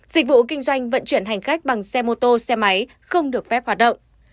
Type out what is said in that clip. dịch vụ kinh doanh vận chuyển hành khách bằng xe mô tô xe máy không được phép hoạt động